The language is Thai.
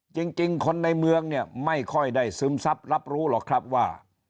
จริงคนในเมืองเนี่ยไม่ค่อยได้ซึมซับรับรู้หรอกครับว่า